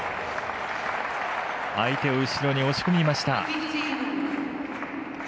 相手を後ろに押し込みました。